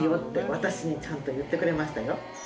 私にちゃんと言ってくれましたよ。